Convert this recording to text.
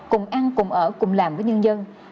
cùng ăn cùng ở cùng làm với nhân dân